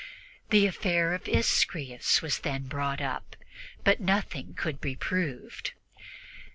The affair of Ischyras was then brought up, but nothing could be proved.